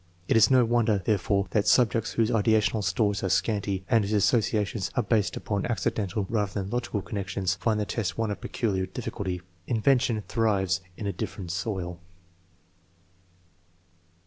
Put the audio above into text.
It is no wonder, there fore, that subjects whose ideational stores are scanty, and whose associations are based upon accidental rather than logical connections, find the test one of peculiar difficulty. Invention thrives in a different soil.